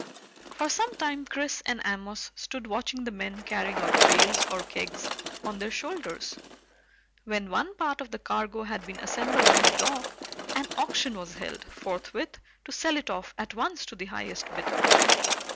For some time Chris and Amos stood watching the men carrying out bales or kegs on their shoulders. When one part of the cargo had been assembled on the dock, an auction was held forthwith to sell it off at once to the highest bidder.